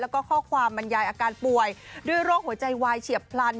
แล้วก็ข้อความบรรยายอาการป่วยด้วยโรคหัวใจวายเฉียบพลัน